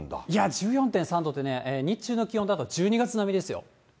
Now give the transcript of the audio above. １４．３度ってね、日中の気温だと、１２月並みですよ。